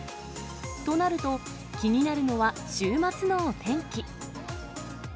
となると、気になるのは週末のお天気。